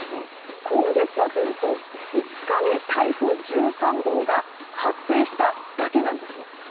今月はというと５日に台風１３号が発生しただけなんですよ。